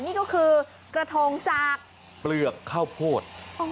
นี่ก็คือกระทงจากเปลือกข้าวโพด